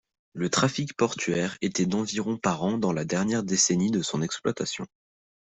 Le trafic portuaire était d'environ par an dans la dernière décennie de son exploitation.